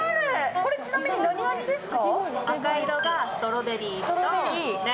これ、ちなみに何味ですか？